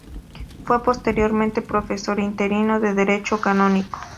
Fue, posteriormente, profesor interino de Derecho canónico.